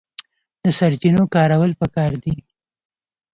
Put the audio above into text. د سرچینو کارول پکار دي